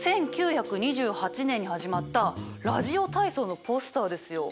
１９２８年に始まったラジオ体操のポスターですよ。